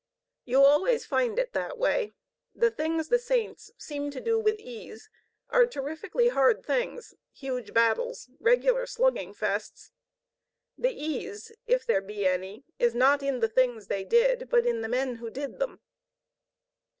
You always find it that way. The things the saints seem to do with ease are terrifically hard things, huge battles, regular slugging fights. The ease, if there be any, is not in the things they did, but in the men who did them.